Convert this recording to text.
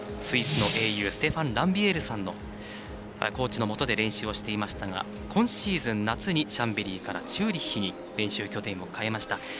スイスの英雄ステファン・ランビエールコーチのもとで練習をしていましたが今シーズン夏にシャンベリからチューリッヒに練習拠点を変えました。